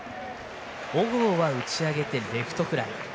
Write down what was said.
小郷は打ち上げてレフトフライ。